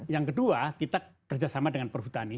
yang kedua kita kerjasama dengan perhutani